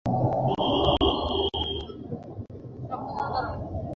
আমি অবশ্যই বিদেশ ছিলাম, কিন্তু আমার মন এখানেই ছিল।